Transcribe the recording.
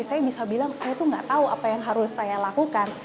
saya tuh nggak tahu apa yang harus saya lakukan